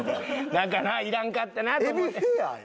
だからいらんかったなと思うて。